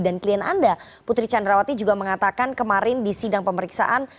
dan klien anda putri candrawati juga mengatakan kemarin di sidang pemeriksaan